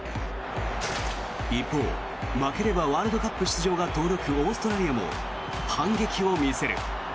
一方、負ければワールドカップ出場が遠のくオーストラリアも反撃を見せる。